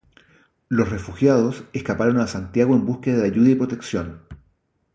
Los refugiados escaparon a Santiago en búsqueda de ayuda y protección.